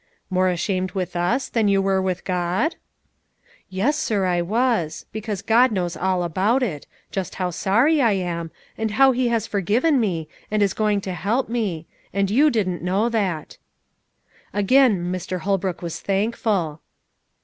"More ashamed with us than you were with God?" "Yes, sir, I was; because God knows all about it, just how sorry I am, and how He has forgiven me, and is going to help me; and you didn't know that." Again Mr. Holbrook was thankful.